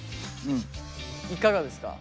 いかがですか？